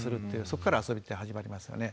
そこから遊びって始まりますよね。